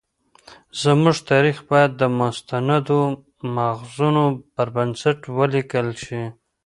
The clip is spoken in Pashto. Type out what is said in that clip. زموږ تاریخ باید د مستندو مأخذونو پر بنسټ ولیکل شي.